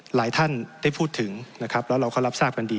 หลายท่านได้พูดถึงนะครับแล้วเราก็รับทราบกันดี